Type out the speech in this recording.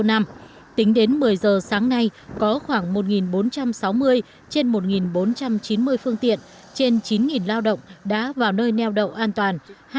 một mươi giờ sáng nay có khoảng một bốn trăm sáu mươi trên một bốn trăm chín mươi phương tiện trên chín lao động đã vào nơi neo đậu an toàn